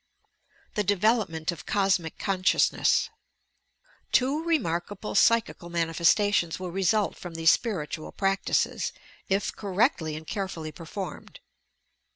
THE DEVELOPMENT OP COSMIC CONSCIOUSNESS Two remarkable psychical manifestations will result from these spiritual practices, if correctly and carefully performed.